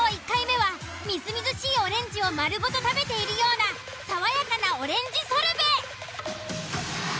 １回目はみずみずしいオレンジを丸ごと食べているような爽やかなオレンジソルベ。